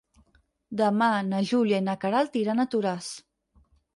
Demà na Júlia i na Queralt iran a Toràs.